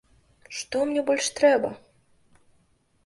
Што мне больш трэба?